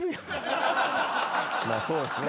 まあそうですね。